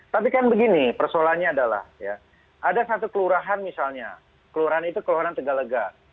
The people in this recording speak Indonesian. tapi kan begini persoalannya adalah ada satu keluaran misalnya keluaran itu keluaran tegalega